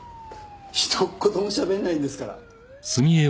ひと言もしゃべらないんですから。